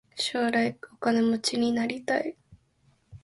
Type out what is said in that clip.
将来お金持ちになりたい。